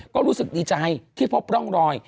ก็รู้สึกดีใจที่พบร่องรอย